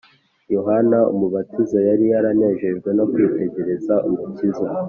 yohana umubatiza yari yaranejejwe no kwitegereza umukiza